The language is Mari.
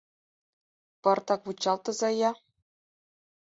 — Пыртак вучалтыза-я!